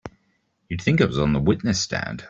You'd think I was on the witness stand!